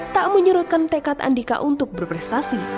tak menyurutkan tekad andika untuk berprestasi